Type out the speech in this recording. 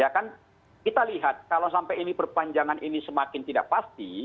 ya kan kita lihat kalau sampai ini perpanjangan ini semakin tidak pasti